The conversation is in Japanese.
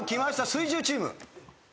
水１０チーム。